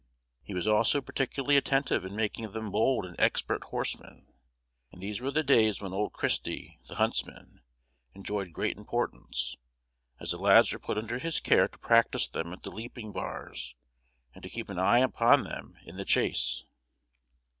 He was also particularly attentive in making them bold and expert horsemen; and these were the days when old Christy, the huntsman, enjoyed great importance, as the lads were put under his care to practise them at the leaping bars, and to keep an eye upon them in the chase.